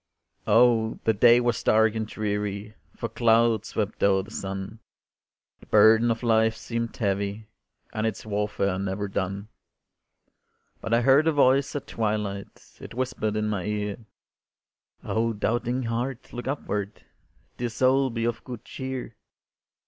Oh! the day was dark and dreary, For clouds swept o'er the sun, The burden of life seemed heavy, And its warfare never done; But I heard a voice at twilight, It whispered in my ear, "Oh, doubting heart, look upward, Dear soul, be of good cheer.